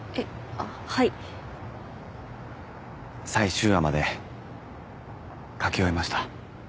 あっはい最終話まで書き終えました